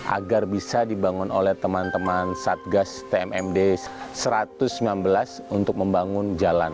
agar bisa dibangun oleh teman teman satgas tmmd satu ratus sembilan belas untuk membangun jalan